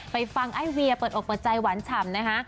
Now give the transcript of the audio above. ไปฟังไอ้เวียเปิดอกเปิดใจหวานฉ่ำนะคะ